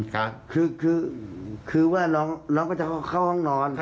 คือคือว่าน้องก็จะเข้าห้องนอน